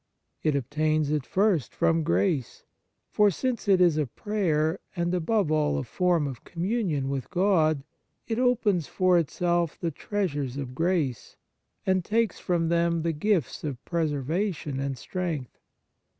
It obtains it first from grace ; for, 124 The Fruits of Piety since it is a prayer, and, above all, a form of communion with God, it opens for itself the treasures of grace, and takes from them the gifts of preservation and strength.